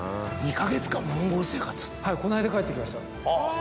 はいこの間帰ってきました。